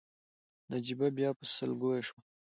نجيبه بيا په سلګيو شوه.